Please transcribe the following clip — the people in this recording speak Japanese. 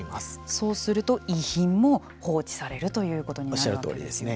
そうすると、遺品も放置されるということにおっしゃるとおりですね。